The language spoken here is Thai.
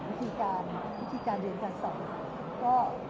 พี่คิดว่าเข้างานทุกครั้งอยู่หรือเปล่า